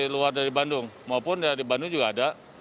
luar dari bandung maupun dari bandung juga ada